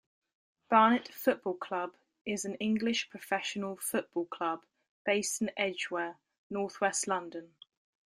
Barnet Football Club is an English professional football club based in Edgware, north-west London.